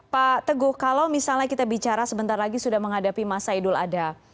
pak teguh kalau misalnya kita bicara sebentar lagi sudah menghadapi masa idul adha